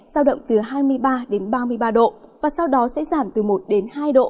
sau động từ hai mươi ba ba mươi ba độ và sau đó sẽ giảm từ một hai độ